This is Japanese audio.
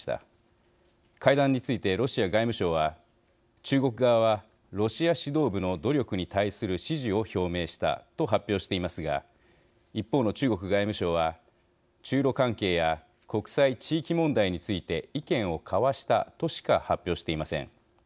会談についてロシア外務省は中国側はロシア指導部の努力に対する支持を表明したと発表していますが一方の中国外務省は中ロ関係や国際・地域問題について意見を交わしたとしか発表していません。